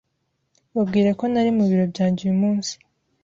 Babwire ko ntari mu biro byanjye uyu munsi.